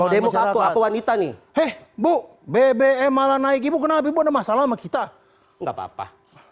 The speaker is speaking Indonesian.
demo aku aku wanita nih eh bu bbm malah naik ibu kenapa ibu ada masalah sama kita enggak apa apa